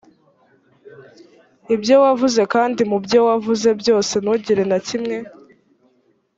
ibyo wavuze kandi mu byo wavuze byose ntugire na kimwe